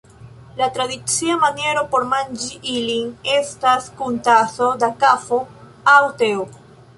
La tradicia maniero por manĝi ilin estas kun taso da kafo aŭ teo.